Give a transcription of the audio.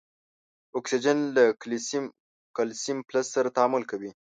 اکسیجن له کلسیم فلز سره تعامل کوي.